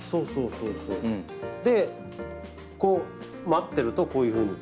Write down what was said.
でこう待ってるとこういうふうに。